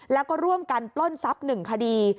แล้วก็ร่วมกันปล้นทรัพย์๑คดี